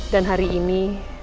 dan hari ini